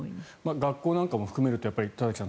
学校も含めると田崎さん